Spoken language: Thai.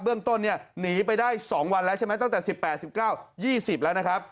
เบื้องต้นนี้หนีไปได้๒วันและใช่ไหมตั้งแต่๐๐๒๙แล้วนะครับ